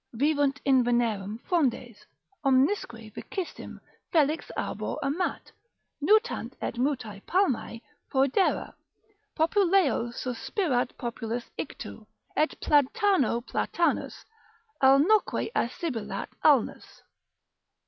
Vivunt in venerem frondes, omnisque vicissim Felix arbor amat, nutant et mutua palmae Foedera, populeo suspirat populus ictu, Et platano platanus, alnoque assibilat alnus.